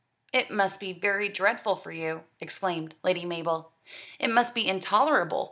"It must be very dreadful for you," exclaimed Lady Mabel. "It must be intolerable!"